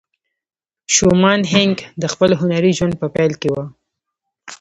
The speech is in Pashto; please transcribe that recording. شومان هینک د خپل هنري ژوند په پیل کې وه